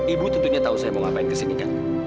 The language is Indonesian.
ibu tentunya tahu saya mau ngapain kesini kan